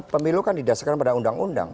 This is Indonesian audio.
pemilu kan didasarkan pada undang undang